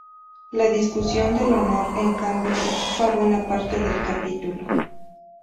La discusión del "honor", en cambio, ocupa buena parte del capítulo.